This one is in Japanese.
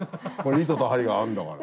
糸と針があるんだから。